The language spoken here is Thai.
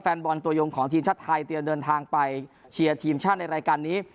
แฟนบอลตัวยงของทีมชาติไทยเตรียมเดินทางไปเชียร์ทีมชาติในรายการนี้